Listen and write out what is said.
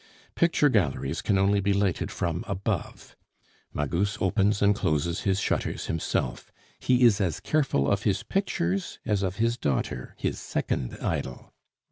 Picture galleries can only be lighted from above; Magus opens and closes his shutters himself; he is as careful of his pictures as of his daughter, his second idol.